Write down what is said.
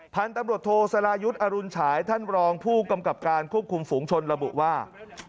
พันธุ์ตำรวจโทสรายุทธ์อรุณฉายท่านรองผู้กำกับการควบคุมฝูงชนระบุว่า